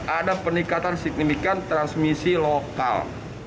ada peningkatan signifikan transmisi lokal